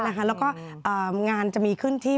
แล้วก็งานจะมีขึ้นที่